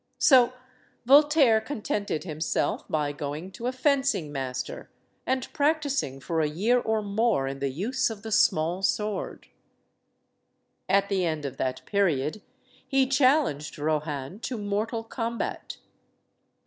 So Voltaire contented himself by going to a fencing master and practicing for a year or more in the use of the small sword. At the end of that period, he challenged Rohan to mortal combat.